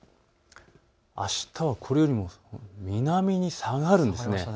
あしたはこれよりも南に下がるんです。